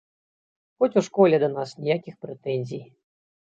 Хоць у школе да нас ніякіх прэтэнзій.